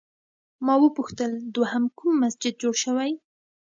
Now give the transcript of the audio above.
ما وپوښتل دوهم کوم مسجد جوړ شوی؟